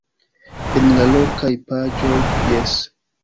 En la lokaj paĝoj - jes.